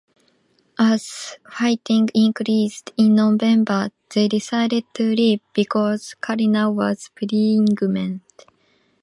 As fighting increased, in November they decided to leave, because Karina was pregnant.